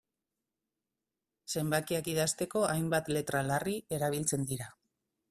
Zenbakiak idazteko hainbat letra larri erabiltzen dira.